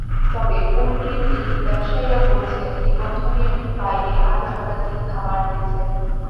তবে poultry feed ব্যবসায়ীরা বলছেন, নিবন্ধনের বাইরে আরও শতাধিক খামার রয়েছে।